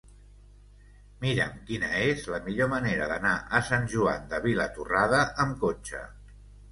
Mira'm quina és la millor manera d'anar a Sant Joan de Vilatorrada amb cotxe.